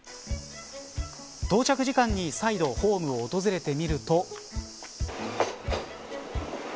到着時間に再度ホームを訪れてみると。